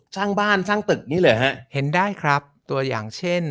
ช่างบ้านช่างตึกนี่เลยอ่ะฮะเห็นได้ครับตัวอย่างเช่น